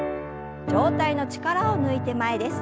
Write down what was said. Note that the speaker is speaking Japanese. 上体の力を抜いて前です。